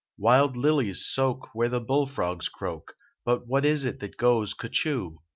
Wild lilies soak where the bullfrogs croak. But what is it that goes cuhchoo